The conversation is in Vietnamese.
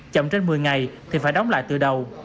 chậm trên một mươi ngày thì phải đóng lại từ đầu